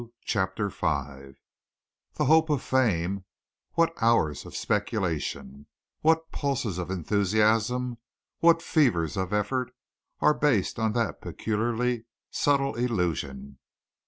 CHAPTER V The hope of fame what hours of speculation, what pulses of enthusiasm, what fevers of effort, are based on that peculiarly subtle illusion!